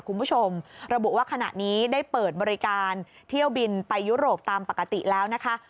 คุณผู้ชมระบุว่าขณะนี้ได้เปิดบริการเที่ยวบินไปยุโรปตามปกติแล้วนะคะ